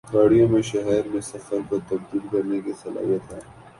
گاڑیوں میں شہر میں سفر کو تبدیل کرنے کی صلاحیت ہے